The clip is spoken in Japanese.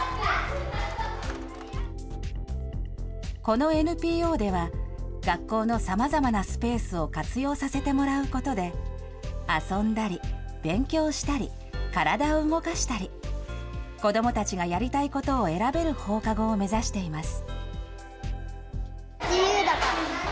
このＮＰＯでは、学校のさまざまなスペースを活用させてもらうことで、遊んだり、勉強したり、体を動かしたり、子どもたちがやりたいことを選べる放課後を目指しています。